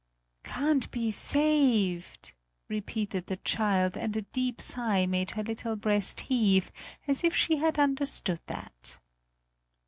"Can't be saved!" repeated the child, and a deep sigh made her little breast heave, as if she had understood that.